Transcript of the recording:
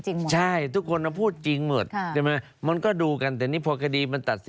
เพราะทุกคนเชื่อว่าตัวเองจริงหมดใช่ทุกคนนะพูดจริงหมด